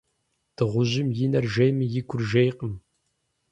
Дыгъужьым и нэр жейми, и гур жейкъым.